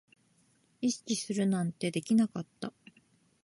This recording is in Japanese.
意識するなんてできなかった